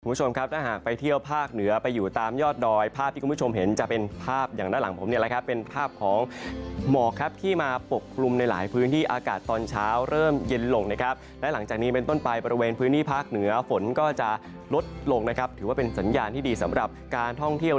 คุณผู้ชมครับถ้าหากไปเที่ยวภาคเหนือไปอยู่ตามยอดดอยภาพที่คุณผู้ชมเห็นจะเป็นภาพอย่างด้านหลังผมเนี่ยแหละครับเป็นภาพของหมอกครับที่มาปกคลุมในหลายพื้นที่อากาศตอนเช้าเริ่มเย็นลงนะครับและหลังจากนี้เป็นต้นไปบริเวณพื้นที่ภาคเหนือฝนก็จะลดลงนะครับถือว่าเป็นสัญญาณที่ดีสำหรับการท่องเที่ยว